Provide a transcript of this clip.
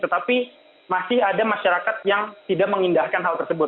tetapi masih ada masyarakat yang tidak mengindahkan hal tersebut